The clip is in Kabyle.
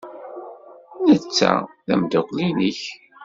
Netta d ameddakel-nnek.